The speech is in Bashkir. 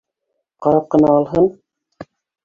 Ҡарап ҡына алһын